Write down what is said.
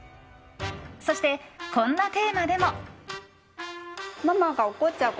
そして、こんなテーマでも。